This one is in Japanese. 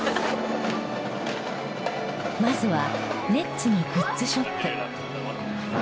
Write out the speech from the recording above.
まずはネッツのグッズショップ。